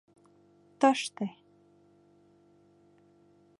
— Тыште...